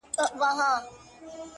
خپـله گرانـه مړه مي په وجود كي ده؛